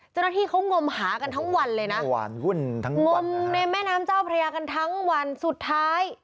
เจ้าหน้าที่เขางมหากันทั้งวันเลยนะงมในแม่น้ำเจ้าพระยากันทั้งวันสุดท้าย